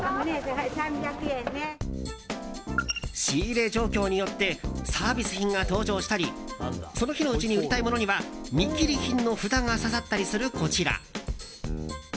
仕入れ状況によってサービス品が登場したりその日のうちに売りたいものには見切り品の札が刺さったりするこちら。